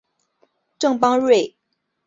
郑邦瑞是王守仁外甥。